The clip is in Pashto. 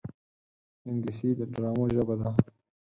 انګلیسي د ډرامو ژبه ده